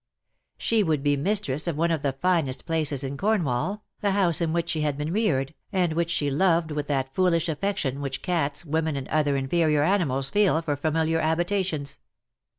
She would be mistress of one of the finest places in Cornwall, the house in which she had been reared, and which she loved with that foolish affection which cats, women, and other inferior animals feel for familiar habitations.